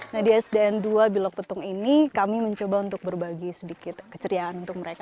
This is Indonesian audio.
nah di sdn dua bilok petung ini kami mencoba untuk berbagi sedikit keceriaan untuk mereka